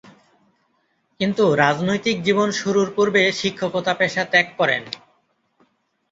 কিন্তু রাজনৈতিক জীবন শুরুর পূর্বে শিক্ষকতা পেশা ত্যাগ করেন।